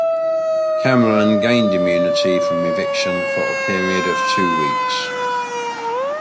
Cameron gained immunity from eviction for a period of two weeks.